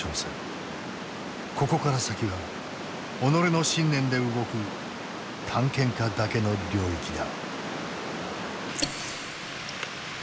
ここから先は己の信念で動く探検家だけの領域だ。